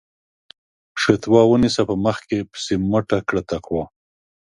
فَتوا ونيسه په مخ کې پسې مٔټه کړه تقوا